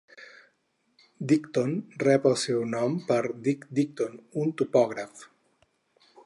Dighton rep el seu nom per Dick Dighton, un topògraf.